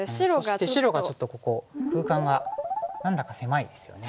そして白がちょっとここ空間が何だか狭いですよね。